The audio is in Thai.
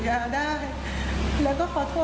ขอโทษที่ไม่สามารถทำตามความสัญญาได้